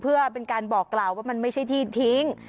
เพื่อเป็นการบอกกล่าวว่ามันไม่ใช่ที่ทิ้ง